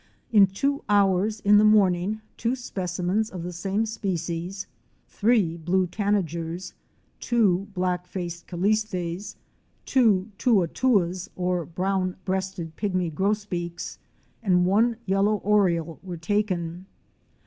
In two hours in the morning, two specimens of the same species, three Blue Tanagers,'™ two Black faced Callistes,"! two Toua touas or Brown breasted Pygmy Grosbeaks,'!" and one Yellow Oriole *" were taken.